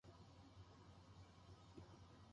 一連の日程が落ち着いたら、なんとか引っ越ししたい